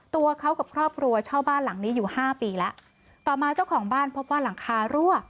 ตัวเขากับครอบครัวเช่าบ้านหลังนี้อยู่ห้าปีแล้วต่อมาเจ้าของบ้านพบว่าหลังคารั่ว